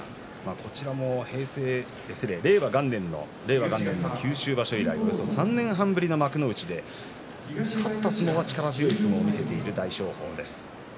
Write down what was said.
こちらも令和元年の九州場所以来およそ３年半ぶりの幕内で勝った相撲は力強い相撲を見せている大翔鵬です。